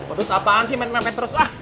otos apaan sih main main terus